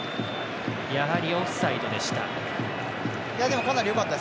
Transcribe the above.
やはり、オフサイドでした。